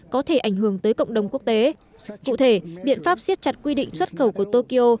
có thể ảnh hưởng tới cộng đồng quốc tế cụ thể biện pháp siết chặt quy định xuất khẩu của tokyo